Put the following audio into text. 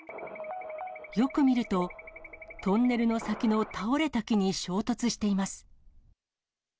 よく見ると、トンネルの先の倒れた木に衝突しています。